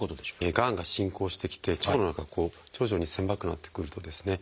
がんが進行してきて腸の中が徐々に狭くなってくるとですね